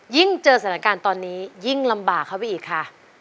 เจอสถานการณ์ตอนนี้ยิ่งลำบากเข้าไปอีกค่ะ